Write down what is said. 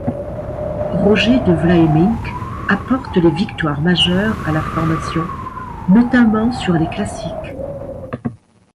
Roger De Vlaeminck apporte les victoires majeures à la formation, notamment sur les classiques.